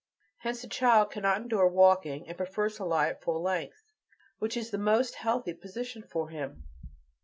Hence the child cannot endure walking, and prefers to lie at full length, which is the most healthy position for him.